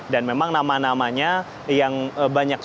dan memang nama namanya yang banyak sudah